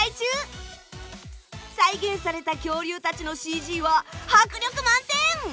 再現された恐竜たちのＣＧは迫力満点！